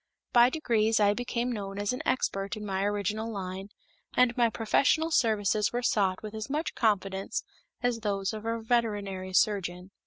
By degrees, I became known as an expert in my original line, and my professional services were sought with as much confidence as those of a veterinary surgeon.